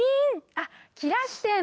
あっ切らしてるんだ。